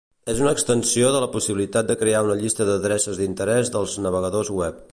És una extensió de la possibilitat de crear una llista d'adreces d'interès dels navegadors web.